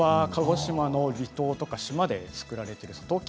沖縄鹿児島の離島とか島で作られています。